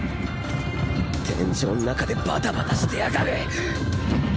天井ん中でバタバタしてやがる！